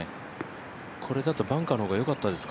これだとバンカーの方が良かったですか。